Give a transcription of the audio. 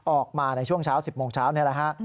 ออกมาในช่วงเช้า๑๐โมงเช้านี่แหละฮะ